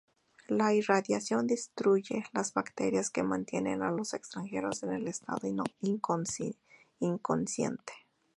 La irradiación destruye las bacterias que mantienen a los extranjeros en el estado inconsciente.